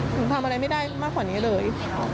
หนูทำอะไรไม่ได้มากกว่านี้เลย